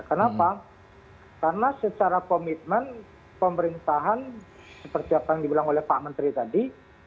kenapa karena secara komitmen pemerintahan seperti apa yang dibilang oleh pak menteri tadi